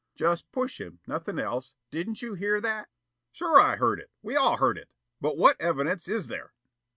Just push him, nothing else. Didn't you hear that?" "Sure I heard it. We all heard it. But what EVIDENCE is there?"